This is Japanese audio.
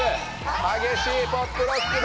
激しいポップロックだ！